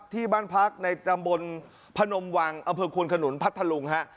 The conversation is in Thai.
ที่บ้านพักในจำบลพนมวังอคุณขนุนพัทธรุง